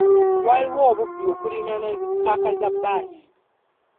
Waliwo obubbi okuliraana zi ppaaka za bbaasi.